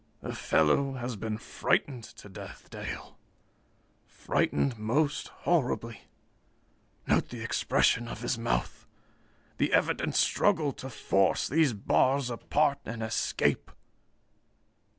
"The fellow has been frightened to death, Dale. Frightened most horribly. Note the expression of his mouth, the evident struggle to force these bars apart and escape.